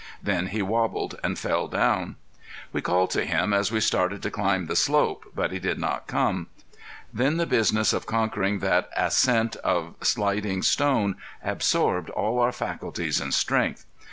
Then he wobbled and fell down. We called to him as we started to climb the slope, but he did not come. Then the business of conquering that ascent of sliding stone absorbed all our faculties and strength.